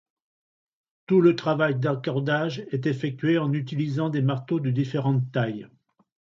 Tout le travail d'accordage est effectué en utilisant des marteaux de différentes tailles.